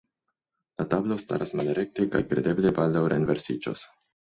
La tablo staras malrekte kaj kredeble baldaŭ renversiĝos.